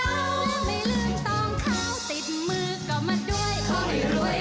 และไม่ลืมต้องเข้าติดมือก็มาด้วย